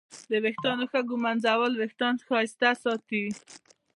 د ویښتانو ښه ږمنځول وېښتان ښایسته ساتي.